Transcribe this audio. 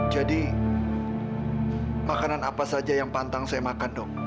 jadi makanan apa saja yang pantang saya makan dok